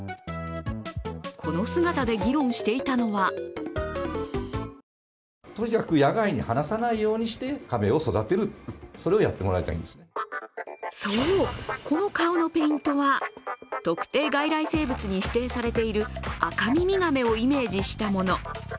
この姿で議論していたのはそう、この顔のペイントは特定外来生物に指定されているアカミミガメをイメージしたもの。